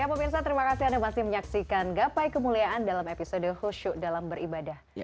ya pemirsa terima kasih anda masih menyaksikan gapai kemuliaan dalam episode khusyuk dalam beribadah